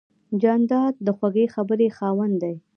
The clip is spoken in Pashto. جانداد د خوږې خبرې خاوند دی.